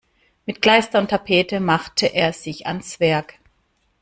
Mit Kleister und Tapete machte er sich ans Werk.